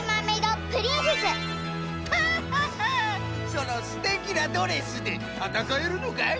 そのすてきなドレスでたたかえるのかい？